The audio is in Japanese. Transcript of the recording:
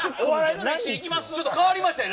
ちょっと変わりましたね